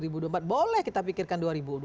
boleh kita pikirkan dua ribu dua puluh